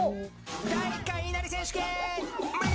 第１回言いなり選手権右！